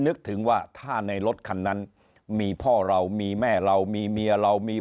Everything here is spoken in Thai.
นึกถึงว่าถ้าในรถคันนั้นมีพ่อเรามีแม่เรามีเมียเรามี